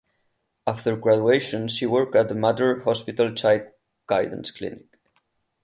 After graduation she worked at the Mater Hospital Child Guidance Clinic.